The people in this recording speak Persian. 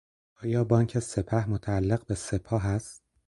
آیا بانک سپه متعلق به سپاه است؟